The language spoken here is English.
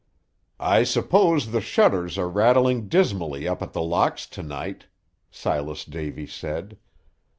"I suppose the shutters are rattling dismally up at The Locks to night," Silas Davy said.